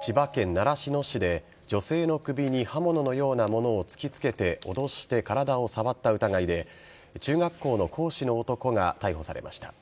千葉県習志野市で女性の首に刃物のようなものを突きつけて脅して体を触った疑いで中学校の講師の男が逮捕されました。